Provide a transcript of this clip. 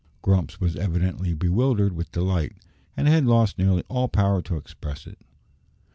Grumps was evidently bewildered with delight, and had lost nearly all power to express it.